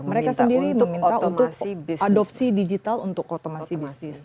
mereka sendiri meminta untuk adopsi digital untuk otomasi bisnis